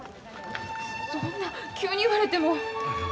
そんな急に言われても。